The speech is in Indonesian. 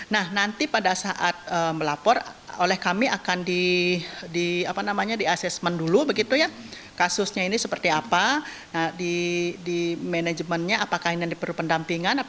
nah nanti pada saat melapor oleh kami akan di assessment dulu kasusnya ini seperti apa di manajemennya apakah ini perlu pendampingan